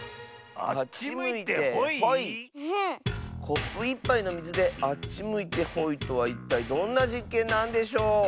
コップ１ぱいのみずであっちむいてほいとはいったいどんなじっけんなんでしょう？